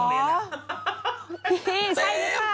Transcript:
พี่ใช่นี่ครับ